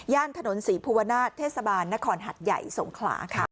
ย่านถนนศรีภูวณาเทศบาลนครหัสใหญ่สงขลา